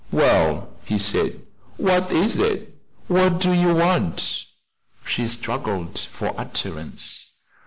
"Well," he said, "what is it what do you want?" She struggled for utterance.